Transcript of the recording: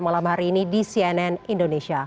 malam hari ini di cnn indonesia